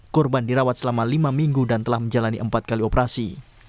korban dirawat selama lima minggu dan telah menjalani empat kali operasi